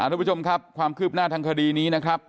ทุกผู้ชมครับความคืบหน้าทางคดีนี้นะครับ